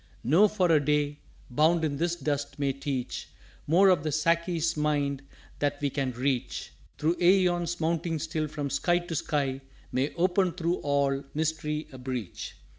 _" "No, for a day bound in this Dust may teach More of the Sáki's Mind than we can reach Through æons mounting still from Sky to Sky May open through all Mystery a breach."